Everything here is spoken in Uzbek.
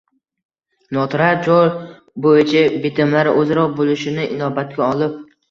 noturar joy bo‘yicha bitimlar o‘zaro bo‘lishini inobatga olib